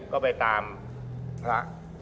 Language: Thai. ก็ไปตามพระ